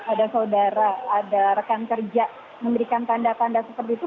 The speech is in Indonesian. ada saudara ada rekan kerja memberikan tanda tanda seperti itu